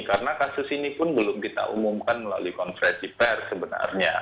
karena kasus ini pun belum kita umumkan melalui kontrasi pr sebenarnya